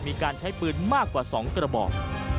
มีการใช้ปืนมากกว่า๒กระบอก